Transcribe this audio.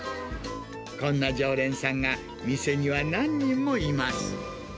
こんな常連さんが、店には何人もいます。